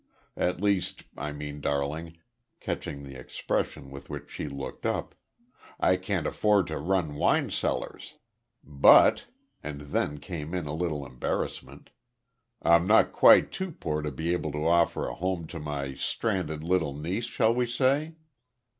At least, I mean, darling," catching the expression with which she looked up "I can't afford to run wine cellars, but," and then came in a little embarrassment "I'm not quite too poor to be able to offer a home to my stranded little niece, shall we say?"